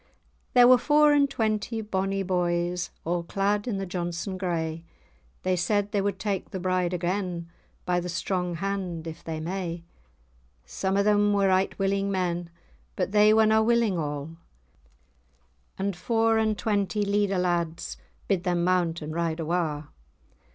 There were four and twenty bonnie boys, A' clad in the Johnstone grey; They said they would take the bride again, By the strong hand, if they may. Some o' them were right willing men, But they were na willing a'; And four and twenty Leader lads Bid them mount and ride awa'.